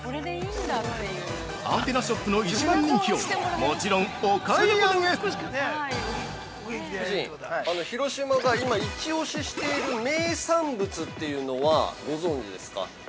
アンテナショップの一番人気をもちろんお買い上げ◆広島が今イチオシしている名産物というのは、ご存じですか。